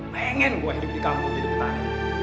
pengen gue hidup di kampung hidup betah